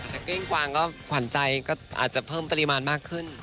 แต่เก้งกวางก็ขวัญใจก็อาจจะเพิ่มปริมาณมากขึ้น